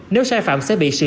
nếu sai phạm sẽ bị sử dụng